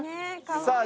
さあ。